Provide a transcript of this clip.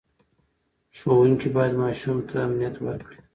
ښوونکي باید ماشوم ته امنیت ورکړي.